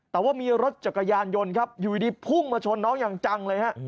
แต่ว่ามีรถจักรยานยนต์ครับอยู่ดีพุ่งมาชนน้องอย่างจังเลยฮะ